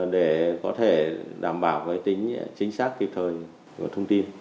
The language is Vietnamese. để có thể đảm bảo tính chính xác kịp thời của thông tin